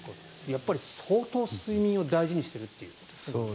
やっぱり相当、睡眠を大事にしているということですね。